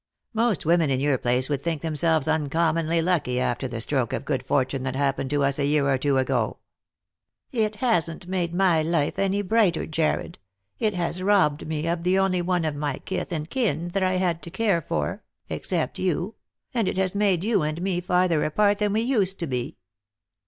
Most women in your place would think them selves uncommonly lucky after the stroke of good fortune that happened to us a year or two ago." " It hasn't made my life any brighter, Jarred. It has robbed me of the only one of my kith and kin that I had to care for, except you, and it has made you and me farther apart than we used to be."